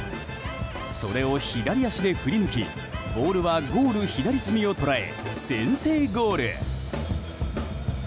それを左足で振り抜きボールはゴール左隅を捉え先制ゴール！